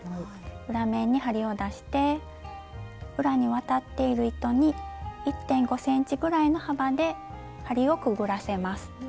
裏面に針を出して裏に渡っている糸に１．５ｃｍぐらいの幅で針をくぐらせます。